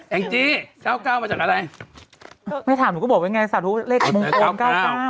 แอ้งจี้๙๙มาจากอะไรไม่ถามหนูก็บอกว่าไงสาธุเลขมงคล๙๙